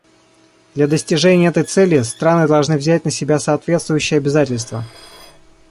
Для достижения этой цели страны должны взять на себя соответствующие обязательства.